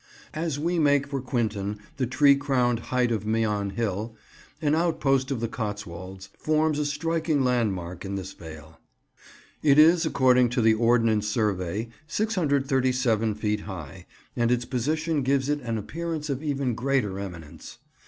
As we make for Quinton the tree crowned height of Meon Hill, an outpost of the Cotswolds, forms a striking landmark in this vale. It is, according to the Ordnance Survey, 637 feet high, and its position gives it an appearance of even greater eminence.